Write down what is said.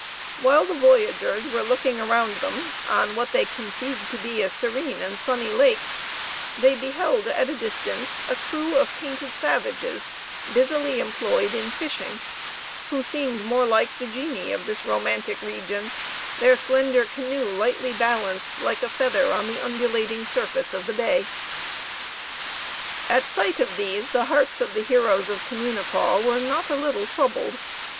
While the voyagers were looking around them, on what they conceived to be a serene and sunny lake, they beheld at a distance a crew of painted savages busily employed in fishing, who seemed more like the genii of this romantic region their slender canoe lightly balanced like a feather on the undulating surface of the bay. At sight of these the hearts of the heroes of Communipaw were not a little troubled.